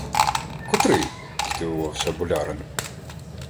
— Котрий? — здивувався болярин.